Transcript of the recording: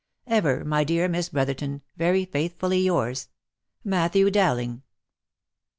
" Ever, my dear Miss Brotherton, " Very faithfully yours, " Matthew Dowling."